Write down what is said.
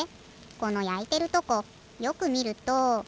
このやいてるとこよくみると。